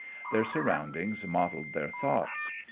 Their surroundings modelled their thoughts.